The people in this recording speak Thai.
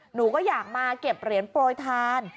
หนูก็อยากมาเก็บเหรียญโปรยทาน